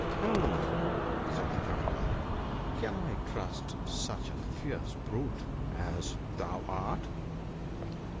" Hem !" said the Traveller, " can I trust such a fierce brute as thou art